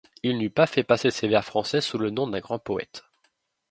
Il n’eût pas fait passer ses vers français sous le nom d’un grand poète.